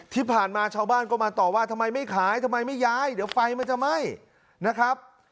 ที่ผ่านมาชาวบ้านก็มาต่อว่าทำไมไม่ขายทำไมไม่ย้ายเดี๋ยวไฟมันจะไหม้นะครับ